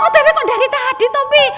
oh bb kok dari tadi toh bi